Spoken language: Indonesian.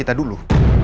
anak kita dulu